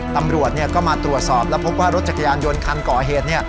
ตำรวจก็มาตรวจสอบแล้วพบว่ารถจักรยานยนต์คันก่อเหตุ